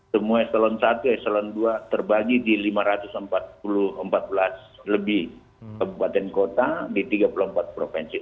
semua eselon satu eselon dua terbagi di lima ratus empat puluh empat belas lebih kabupaten kota di tiga puluh empat provinsi